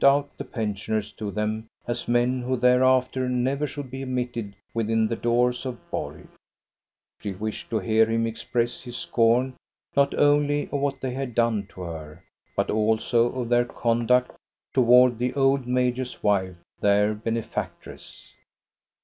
out the pensioners to them as men who thereafter never should be admitted within the doors of Borg» She wished to hear him express his scorn not only of what they had done to her, but also of their conduct toward the old major's wife, their benefactress.